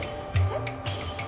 えっ？